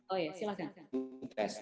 oh ya silakan